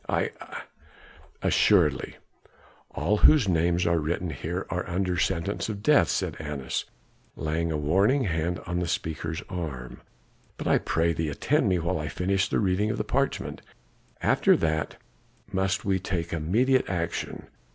I " "Assuredly; all whose names are written here are under sentence of death," said Annas, laying a warning hand on the speaker's arm; "but I pray thee, attend me while I finish the reading of the parchment, after that must we take immediate action.